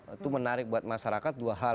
itu menarik buat masyarakat dua hal